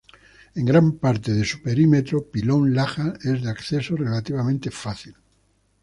En gran parte de su perímetro, Pilón Lajas es de acceso relativamente fácil.